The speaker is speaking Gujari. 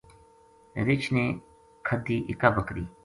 رِچھ نے کھدی اِکابکری